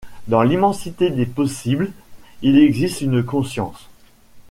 Dans l’immensité des possibles, il existe une conscience.